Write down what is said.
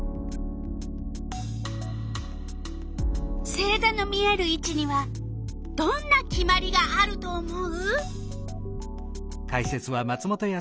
星ざの見えるいちにはどんな決まりがあると思う？